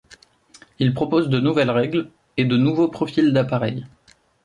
Il propose de nouvelles règles, et de nouveaux profils d'appareils.